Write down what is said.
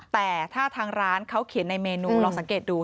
แต่ถ้าทางร้านเขาเขียนในเมนูลองสังเกตดู